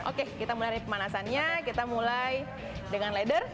oke kita mulai dari pemanasannya kita mulai dengan leather